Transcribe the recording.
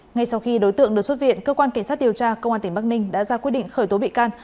ngay sau khi đối tượng được xuất viện cơ quan cảnh sát điều tra công an tỉnh bắc ninh đã ra quyết định khởi tố bị can